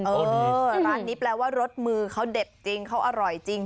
เออร้านนี้แปลว่ารสมือเขาเด็ดจริงเขาอร่อยจริง